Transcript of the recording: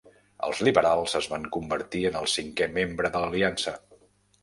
Els liberals es van convertir en el cinquè membre de l'Aliança.